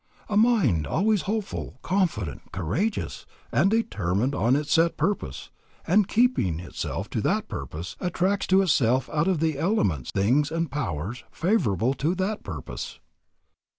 A mind always hopeful, confident, courageous, and determined on its set purpose, and keeping itself to that purpose, attracts to itself out of the elements things and powers favorable to that purpose.